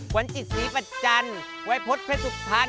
หวันจิตศรีประจันทร์วัยพลตร์เพชรสุภัณฑ์